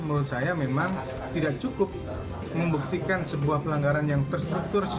menurut saya memang tidak cukup membuktikan sebuah pelanggaran yang terstruktur